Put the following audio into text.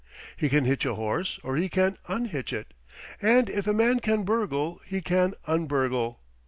He can hitch a horse, or he can un hitch it. And if a man can burgle, he can un burgle.